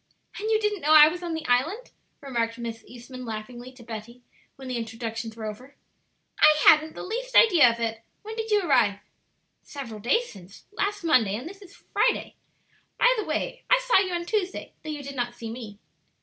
"And you didn't know I was on the island?" remarked Miss Eastman laughingly to Betty, when the introductions were over. "I hadn't the least idea of it. When did you arrive?" "Several days since last Monday; and this is Friday. By the way, I saw you on Tuesday, though you did not see me."